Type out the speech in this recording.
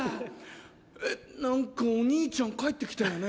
えっ何かお兄ちゃん帰って来たよね？